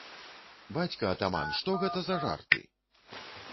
Бацька атаман, што гэта за жарты?!